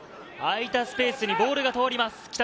空いたスペースにボールが通ります。